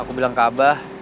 aku bilang ke abah